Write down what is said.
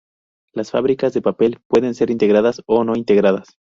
Las fábricas de papel pueden ser integradas o no integradas.